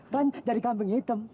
kan jadi kambing hitam